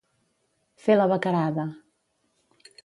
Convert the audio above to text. Fer la bequerada.